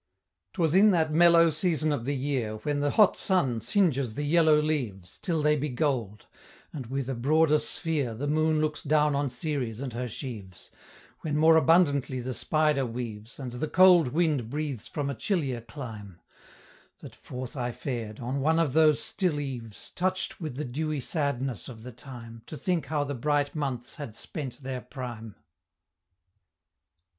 'Twas in that mellow season of the year When the hot sun singes the yellow leaves Till they be gold, and with a broader sphere The Moon looks down on Ceres and her sheaves; When more abundantly the spider weaves, And the cold wind breathes from a chillier clime; That forth I fared, on one of those still eves, Touch'd with the dewy sadness of the time, To think how the bright months had spent their prime, II.